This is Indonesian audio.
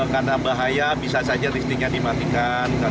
karena bahaya bisa saja listriknya dimatikan